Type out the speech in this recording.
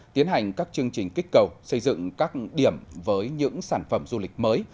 tiến hành các chương trình kích cầu xây dựng các điểm với những sản phẩm du lịch mới